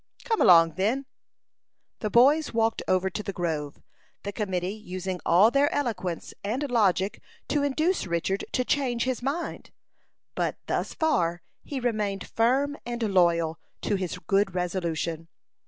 "Come along, then." The boys walked over to the grove, the committee using all their eloquence and logic to induce Richard to change his mind; but thus far he remained firm and loyal to his good resolution.